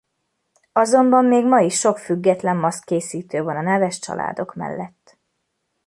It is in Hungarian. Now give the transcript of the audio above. Azonban még ma is sok független maszk készítő van a neves családok mellett.